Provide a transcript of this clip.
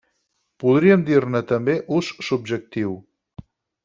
Podríem dir-ne també ús subjectiu.